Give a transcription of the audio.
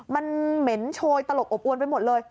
มันเหม็นโชยตลบอบอวนไปหมดเลย